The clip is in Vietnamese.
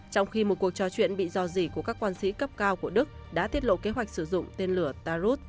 trong khi một cuộc trò chuyện bị dò dỉ của các quan sĩ cấp cao của đức đã tiết lộ kế hoạch sử dụng tên lửa tarut